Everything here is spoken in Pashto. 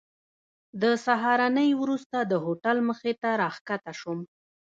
د سهارنۍ وروسته د هوټل مخې ته راښکته شوم.